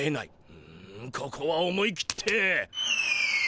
ううむここは思い切って。